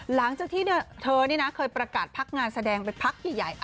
หลังจากที่เธอนี่นะเคยประกาศพักงานแสดงไปพักใหญ่